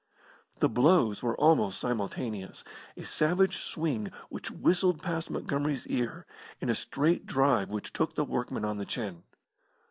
The blows were almost simultaneous a savage swing which whistled past Montgomery's ear, and a straight drive which took the workman on the chin.